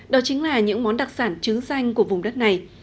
đó chính là những món đặc sản trứng xanh của vùng đất này